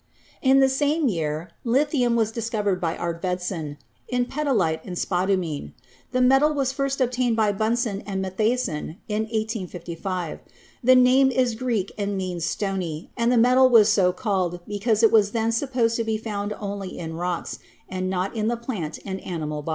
In the same year lithium was discovered by Arfvedson in petalite and spodumene. The metal was first obtained by Bunsen and Matthiessen in 1855. The name is Greek and means stony, and the metal was so called because it was then supposed to be found only in rocks, and not in the plant and animal bodies.